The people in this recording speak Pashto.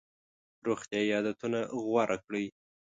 روغتیایي عادتونه غوره کړئ.